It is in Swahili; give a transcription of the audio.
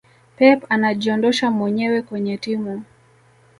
pep anajiondosha mwenyewe kwenye timu